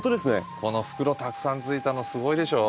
この袋たくさんついたのすごいでしょう？